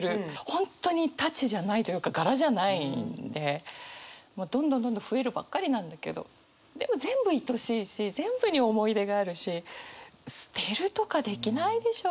本当にたちじゃないというか柄じゃないんでもうどんどんどんどん増えるばっかりなんだけどでも全部いとおしいし全部に思い入れがあるし捨てるとかできないでしょって。